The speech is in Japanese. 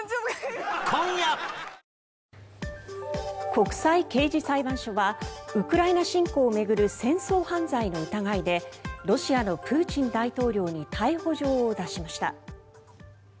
国際刑事裁判所はウクライナ侵攻を巡る戦争犯罪の疑いでロシアのプーチン大統領に逮捕状を出しました。